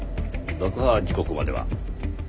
爆破時刻までは？